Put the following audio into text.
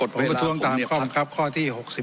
ประทรวงตามคอมครับข้อที่๖๙